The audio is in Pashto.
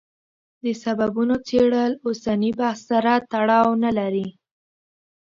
د سببونو څېړل اوسني بحث سره تړاو نه لري.